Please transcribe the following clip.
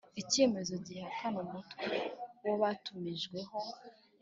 Icyemezo gihakanira Umutwe wabatumijweho